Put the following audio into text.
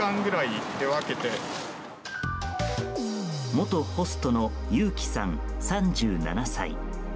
元ホストのユウキさん、３７歳。